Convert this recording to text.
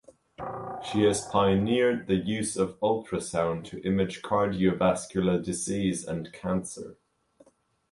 She has pioneered the use of ultrasound to image cardiovascular disease and cancer.